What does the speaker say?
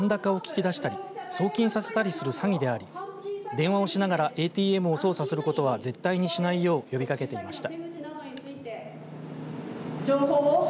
実際は口座の残高を聞き出したり送金させたりする詐欺であり電話をしながらＡＴＭを操作することは絶対にしないよう呼びかけていました。